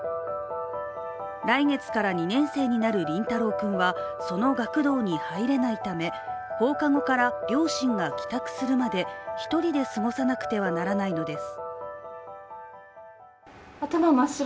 来月から２年生となるりんたろう君はその学童には入れないため放課後から両親が帰宅するまで１人で過ごさなくてはならないのです。